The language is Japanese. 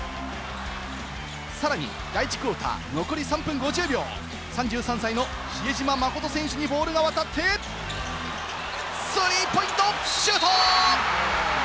さらに第１クオーター残り３分５０秒、３３歳の比江島慎選手にボールが渡って、スリーポイントシュート！